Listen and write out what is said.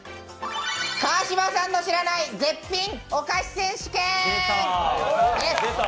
川島さんの知らない絶品お菓子選手権。